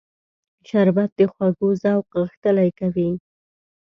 شربت د خوږو ذوق غښتلی کوي